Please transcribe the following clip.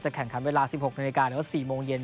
จะแข่งขันเวลา๑๖นหรือ๔โมงเย็น